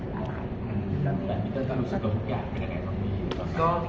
ก็รู้สึกว่าทุกอย่างเป็นยังไงตรงนี้